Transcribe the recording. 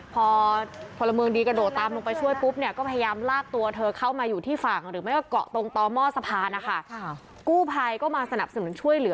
พอพลเมืองดีกระโดดตามลงไปช่วยปุ๊บเนี่ยก็พยายามลากตัวเธอเข้ามาอยู่ที่ฝั่งหรือไม่ก็เกาะตรงต่อหม้อสะพานนะคะกู้ภัยก็มาสนับสนุนช่วยเหลือ